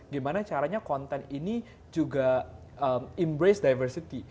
gimana caranya konten ini juga embrace diversity